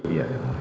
iya yang mulia